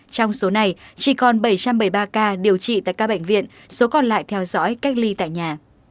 trong số này chỉ còn bảy trăm bảy mươi ba ca điều trị tại các bệnh viện số còn lại theo dõi cách ly tại nhà